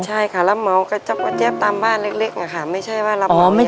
ใช่ค่ะรับเหมาก็แจ๊บตามบ้านเล็กอะค่ะไม่ใช่ว่ารับเหมาเนี่ย